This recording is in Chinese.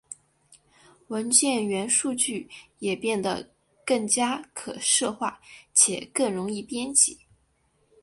文件元数据也变得更加可视化且更容易编辑。